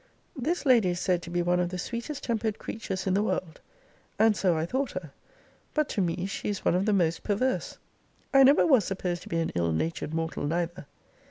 This lady is said to be one of the sweetest tempered creatures in the world: and so I thought her. But to me she is one of the most perverse. I never was supposed to be an ill natured mortal neither.